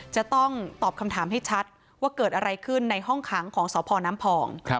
จะต้องตอบคำถามให้ชัดว่าเกิดอะไรขึ้นในห้องขังของสพน้ำพอง